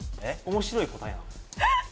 面白い答えなん？